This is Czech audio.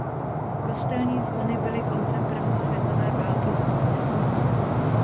Kostelní zvony byly koncem první světové války zabaveny.